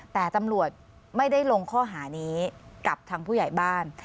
แต่ตำรวจไม่ได้ลงข้อหานี้กับทางผู้ใหญ่บ้าน